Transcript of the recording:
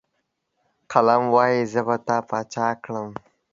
قلم وايي، زه به تا باچا کړم.